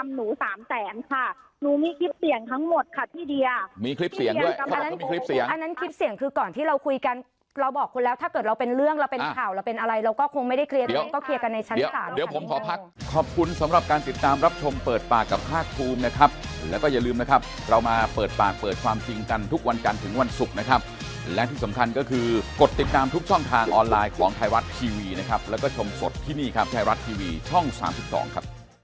อันนั้นคลิปเสียงคือก่อนที่เราคุยกันเราบอกคุณแล้วถ้าเกิดเราเป็นเรื่องเราเป็นข่าวเราเป็นอะไรเราก็คงไม่ได้เคลียร์เราก็เคลียร์กันในชั้นสาม